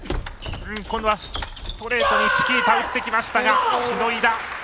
ストレートにチキータを打ってきましたが、しのいだ！